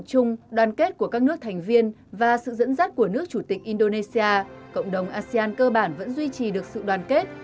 trên tâm sát của nước chủ tịch indonesia cộng đồng asean cơ bản vẫn duy trì được sự đoàn kết